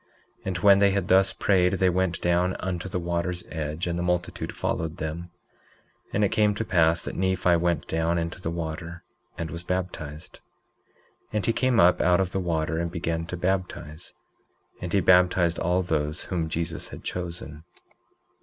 19:10 And when they had thus prayed they went down unto the water's edge, and the multitude followed them. 19:11 And it came to pass that Nephi went down into the water and was baptized. 19:12 And he came up out of the water and began to baptize. And he baptized all those whom Jesus had chosen.